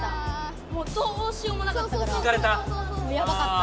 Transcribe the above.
もうどうしようもなかったからやばかった！